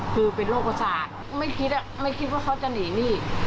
คือเค้าเป็นคนมีสัญจักร